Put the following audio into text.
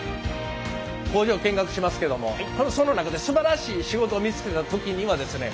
工場を見学しますけどもその中ですばらしい仕事を見つけた時にはですね